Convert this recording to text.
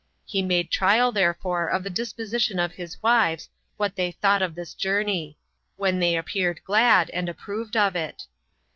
He made trial therefore of the disposition of his wives what they thought of this journey; when they appeared glad, and approved of it.